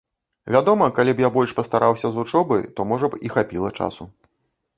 Вядома, калі б я больш пастараўся з вучобай, то можа б і хапіла часу.